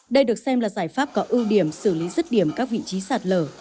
đây được xem là giải pháp có ưu điểm xử lý rứt điểm các vị trí sạt lở